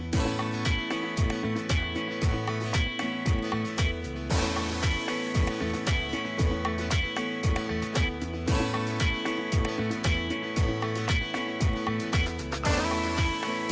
โปรดติดตามต่อไป